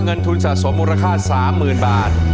เงินทุนสะสมมูลค่า๓๐๐๐บาท